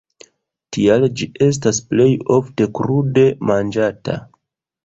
Tial ĝi estas plej ofte krude manĝata.